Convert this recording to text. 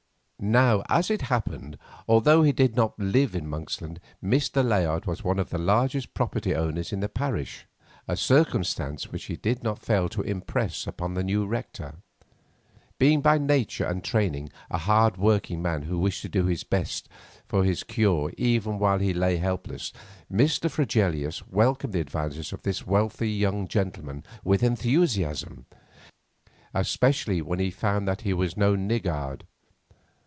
Now, as it happened, although he did not live in Monksland, Mr. Layard was one of the largest property owners in the parish, a circumstance which he did not fail to impress upon the new rector. Being by nature and training a hard working man who wished to do his best for his cure even while he lay helpless, Mr. Fregelius welcomed the advances of this wealthy young gentleman with enthusiasm, especially when he found that he was no niggard.